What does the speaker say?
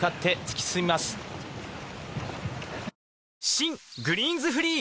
新「グリーンズフリー」